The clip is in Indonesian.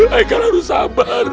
haikal harus sabar